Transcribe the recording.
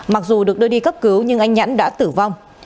mặc dù được đưa đi cấp cứu nhưng anh nhẫn đã tử vong